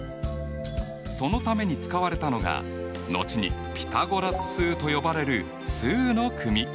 そのために使われたのが後にピタゴラス数と呼ばれる数の組。